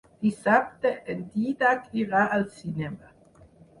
Dissabte en Dídac irà al cinema.